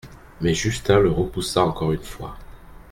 Mais Justin le repoussa encore une fois.